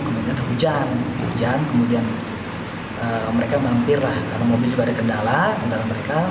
kemudian ada hujan kemudian mereka mampir lah karena mobil juga ada kendala